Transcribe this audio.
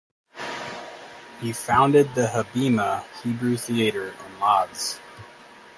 He founded the Habima Hebrew Theater in Lodz.